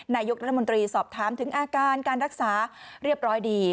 นายกรัฐมนตรีสอบถามถึงอาการการรักษาเรียบร้อยดี